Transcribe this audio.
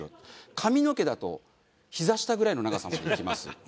髪の毛だとひざ下ぐらいの長さまできます。